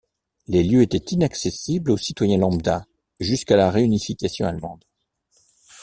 Les lieux étaient inaccessibles aux citoyens lambda jusqu'à la réunification allemande.